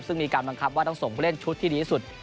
ซึ่งมีการบังคับว่าต้องส่งผู้เล่นชุดที่ดีที่สุด